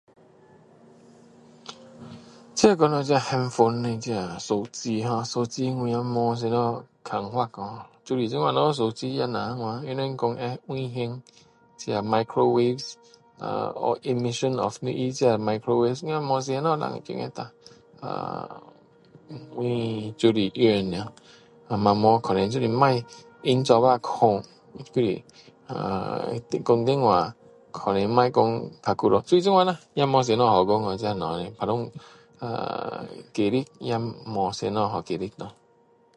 这说到handphone的手机ho手机我也没什么看法哦就是这样咯我也是那样他们说会危险microwave or immission of microwave 这没什么啦觉得啦啊我就是用而已晚上可能就是不要放在一起睡就是这样啊讲电话可能不要讲太久啊就这样啦也没什么好讲哦这样的东西打算呃解释也没什么好解释咯